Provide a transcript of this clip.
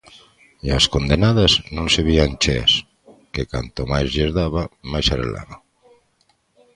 E as condenadas non se vían cheas, que cando máis lles daba máis arelaban.